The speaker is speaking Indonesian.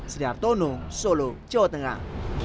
sediartono solo jawa tengah